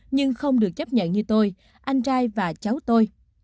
nhưng không được chấp nhận như tôi anh trai và cháu tôi